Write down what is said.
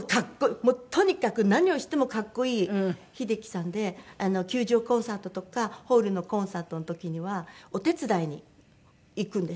もうとにかく何をしても格好いい秀樹さんで球場コンサートとかホールのコンサートの時にはお手伝いに行くんです。